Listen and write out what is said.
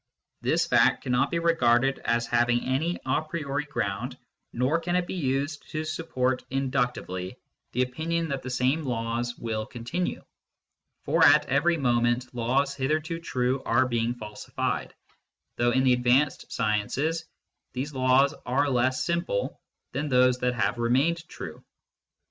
This fact cannot be regarded as having any a priori ground, nor can it be used to support inductively the opinion that ON THE NOTION OF CAUSE 105 the same laws will continue ; for at every moment laws hitherto true are being falsified, though in the advanced sciences these laws are less simple than those that have remained true.